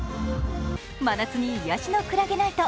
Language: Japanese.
真夏に癒やしのクラゲナイト。